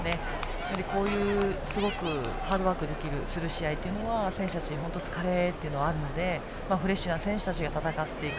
やはり、ハードワークする試合というのは選手たちに疲れというのがあるのでフレッシュな選手たちが戦っていく。